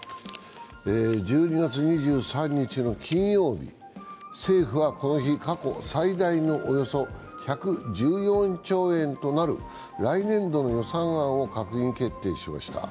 １２月２３日の金曜日、政府はこの日、過去最大のおよそ１１４兆円となる来年度の予算案を閣議決定しました。